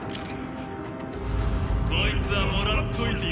こいつはもらっといてやるよ。